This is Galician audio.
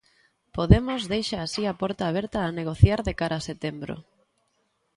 Podemos deixa así a porta aberta a negociar de cara a setembro.